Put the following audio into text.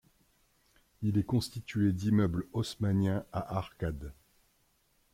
Il est constitué d'immeubles haussmanniens à arcades.